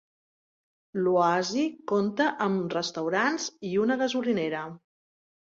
L'oasi compta amb restaurants i una gasolinera.